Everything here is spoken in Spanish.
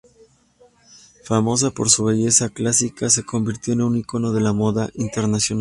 Famosa por su belleza clásica, se convirtió en un icono de la moda internacional.